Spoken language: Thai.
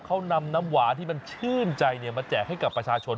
เขานำน้ำหวานที่มันชื่นใจมาแจกให้กับประชาชน